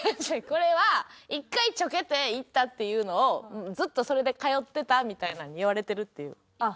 これは１回ちょけて行ったっていうのをずっとそれで通ってたみたいに言われてるっていう。